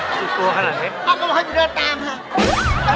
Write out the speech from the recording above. พ่อก็มาให้ชีวิตเรียนตาม